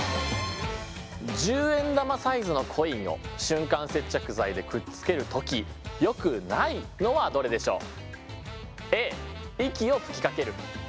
１０円玉サイズのコインを瞬間接着剤でくっつける時よくないのはどれでしょう。